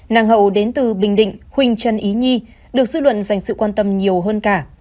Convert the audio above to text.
nàng hậu đến từ bình định huỳnh trân ý nhi được sư luận dành sự quan tâm nhiều hơn cả